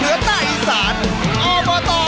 เหนือใต้อีสานอบตมหาสนุกมาแล้ว